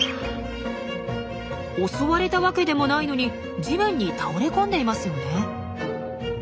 襲われたわけでもないのに地面に倒れ込んでいますよね。